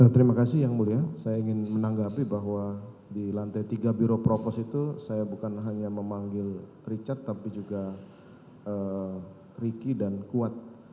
terima kasih yang mulia saya ingin menanggapi bahwa di lantai tiga biro propos itu saya bukan hanya memanggil richard tapi juga ricky dan kuat